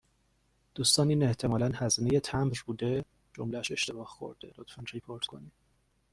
هزینه مبر این نامه ها چقدر می شود؟